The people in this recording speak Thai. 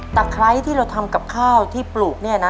ไคร้ที่เราทำกับข้าวที่ปลูกเนี่ยนะ